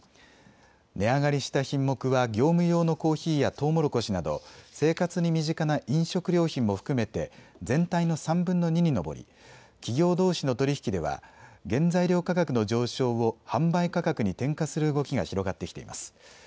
値上がりした品目は業務用のコーヒーやとうもろこしなど生活に身近な飲食料品も含めて全体の３分の２に上り、企業どうしの取り引きでは原材料価格の上昇を販売価格に転嫁する動きが広がってきています。